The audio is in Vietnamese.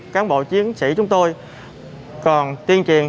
cán bộ chiến sĩ chúng tôi còn tuyên truyền